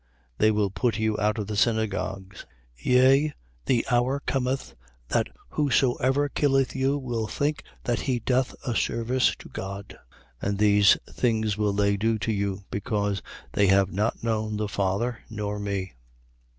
16:2. They will put you out of the synagogues: yea, the hour cometh, that whosoever killeth you will think that he doth a service to God. 16:3. And these things will they do to you; because they have not known the Father nor me.